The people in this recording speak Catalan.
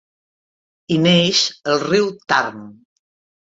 Hi neix el riu Tarn.